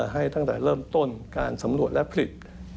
ให้ตั้งแต่เริ่มต้นการสำรวจและผลิต